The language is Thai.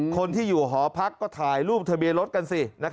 คนที่อยู่หอพักก็ถ่ายรูปทะเบียนรถกันสิ